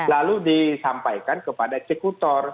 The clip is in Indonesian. lalu disampaikan kepada eksekutor